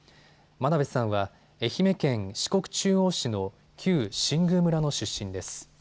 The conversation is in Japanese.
真鍋さんは愛媛県四国中央市の旧新宮村の出身です。